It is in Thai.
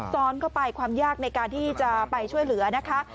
ซ้อนเข้าไปความยากในการที่จะไปช่วยเหลือนะคะ